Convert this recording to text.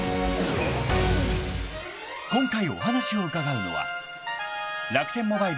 ［今回お話を伺うのは］